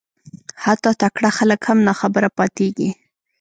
حتی تکړه خلک هم ناخبره پاتېږي